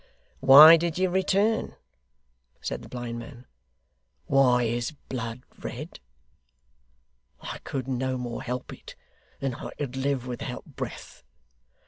'Why did you return? said the blind man. 'Why is blood red? I could no more help it, than I could live without breath.